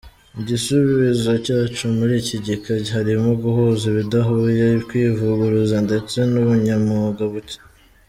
Igisubizo cyacu: Muri iki gika, harimo guhuza ibidahuye, kwivuguruza ndetse n’ubunyamwuga buke.